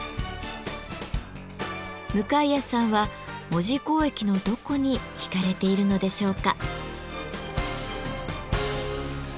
向谷さんは門司港駅のどこに引かれているのでしょうか？